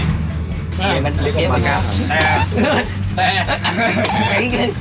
ได้มั้ง